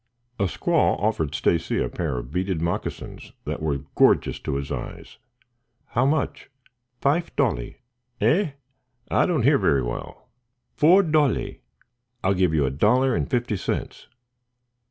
A squaw offered Stacy a pair of beaded moccasins that were gorgeous to his eyes. "How much?" "Fife dolee." "Eh? I don't hear very well?" "Four dolee." "I'll give you a dollar and fifty cents."